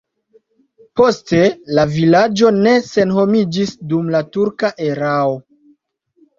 Poste la vilaĝo ne senhomiĝis dum la turka erao.